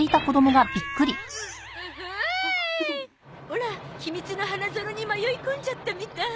オラ秘密の花園に迷い込んじゃったみたい。